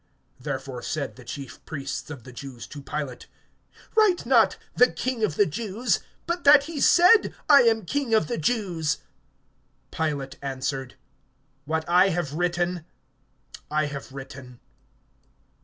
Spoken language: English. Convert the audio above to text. (21)Therefore said the chief priests of the Jews to Pilate: Write not, The King of the Jews; but that he said, I am King of the Jews. (22)Pilate answered: What I have written, I have written.